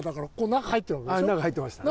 中に入っていましたね。